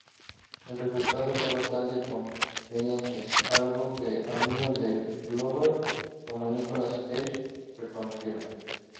El resultado fue bastante convincente, algo que amigos de Glover, como Nicolas Cage, reconocieron.